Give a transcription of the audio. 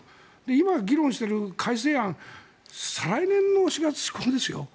今、議論している改正案再来年の４月施行ですよ